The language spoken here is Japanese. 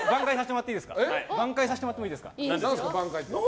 挽回させてもらってもいいですか？